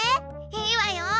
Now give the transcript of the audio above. いいわよ！